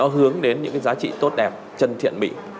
hướng đến những giá trị tốt đẹp chân thiện bị